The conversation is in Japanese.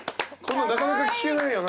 なかなか聞けないよな。